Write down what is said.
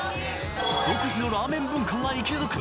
独自のラーメン文化が息づく